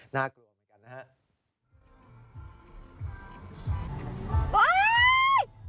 น่ากลัวดีกันนะฮะ